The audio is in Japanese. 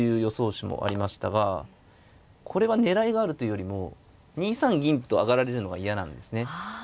手もありましたがこれは狙いがあるというよりも２三銀と上がられるのが嫌なんですね。